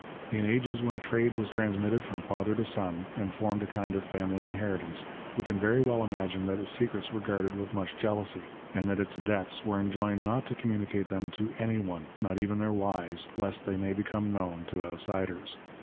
In ages when a trade was transmitted from father to son, and formed a kind of family inheritance, we can very well imagine that its secrets were guarded with much jealousy, and that its adepts were enjoined not to communicate them to anyone, not even to their wives, lest they may become known to outsiders.